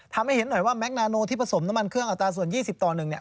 ทำให้เห็นหน่อยว่าแมคนาโนที่ผสมน้ำมันเครื่องอัตราส่วน๒๐ต่อ๑เนี่ย